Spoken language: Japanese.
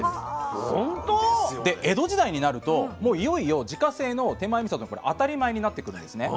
で江戸時代になるともういよいよ自家製の手前みそが当たり前になってくるんですね。